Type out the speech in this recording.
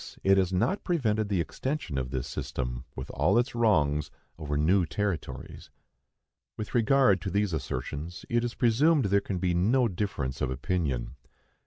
It has not prevented the extension of this system, with all its wrongs, over new territories. With regard to these assertions it is presumed there can be no difference of opinion.